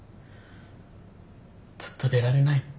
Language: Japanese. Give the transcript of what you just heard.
ずっと出られないって。